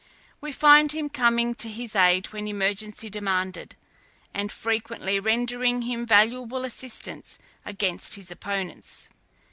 We find him coming to his aid when emergency demanded, and frequently rendering him valuable assistance against his opponents.